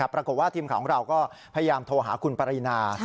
ปรากฏว่าทีมข่าวของเราก็พยายามโทรหาคุณปรินา